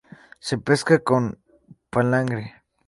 Se pesca con palangre.